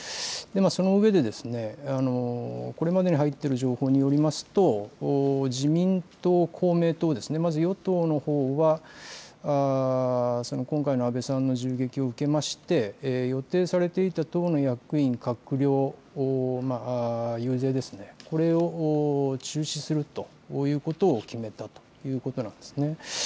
その上で、これまでに入っている情報によりますと、自民党、公明党、まず与党のほうは、今回の安倍さんの銃撃を受けまして、予定されていた党の役員、閣僚、遊説ですね、これを中止するということを決めたということなんですね。